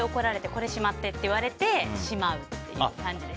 これしまってって言われてしまうっていう感じです。